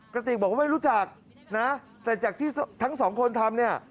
กระติกบอกว่าไม่รู้จักนะแต่จากที่ทั้งสองคนทำเนี่ย